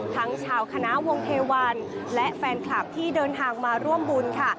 ทั้งชาวคณะวงเทวันและแฟนคลับที่เดินทางมาร่วมบุญค่ะ